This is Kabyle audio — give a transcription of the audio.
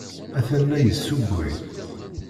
Atan la yessewway.